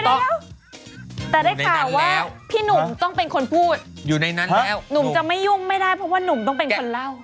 แต่ได้ข่าวว่าพี่หนุ่มต้องเป็นคนพูดอยู่ในนั้นแล้วหนุ่มจะไม่ยุ่งไม่ได้เพราะว่านุ่มต้องเป็นคนเล่า